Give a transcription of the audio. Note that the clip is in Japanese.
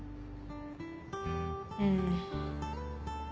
うん。